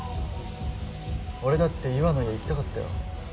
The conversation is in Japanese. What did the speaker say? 俺だって優愛の家行きたかったよ。